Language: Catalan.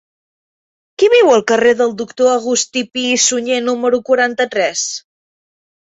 Qui viu al carrer del Doctor August Pi i Sunyer número quaranta-tres?